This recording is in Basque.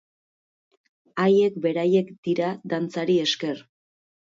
Haiek beraiek dira dantzari esker.